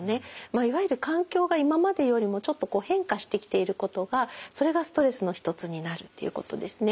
いわゆる環境が今までよりもちょっと変化してきていることがそれがストレスの一つになるっていうことですね。